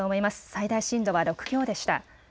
最大震度は６強でした。